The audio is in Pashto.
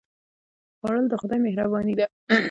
خوړل د خدای مهرباني ده